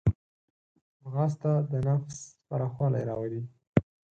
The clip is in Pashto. ځغاسته د نفس پراخوالی راولي